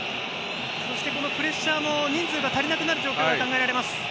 そしてこのプレッシャーも人数が足りなくなる状態が考えられます。